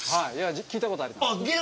聞いた事あります？